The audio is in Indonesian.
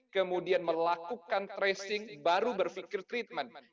kemudian melakukan tracing baru berpikir treatment